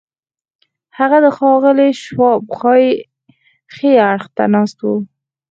هغه د ښاغلي شواب ښي اړخ ته ناست و.